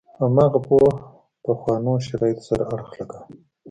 هماغه پوهه پخوانو شرایطو سره اړخ لګاوه.